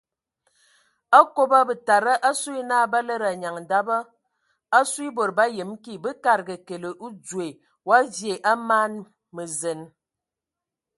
Okoba bətada asu yə na ba lədə anyaŋ daba asue e bod ba yəm kig bə kadəga kəle odzoe wa vie a man mə zen.